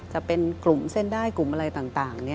จะเป็นกลุ่มเส้นได้กลุ่มอะไรต่าง